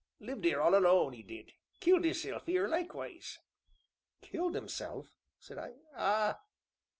Lived 'ere all alone, 'e did killed 'isself 'ere likewise." "Killed himself!" said I. "Ah